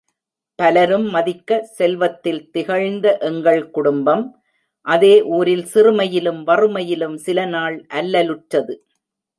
பலரும் மதிக்க, செல்வத்தில் திகழ்ந்த எங்கள்ம் குடும்பம், அதே ஊரில் சிறுமையிலும் வறுமையிலும் சில நாள் அல்லலுற்றது.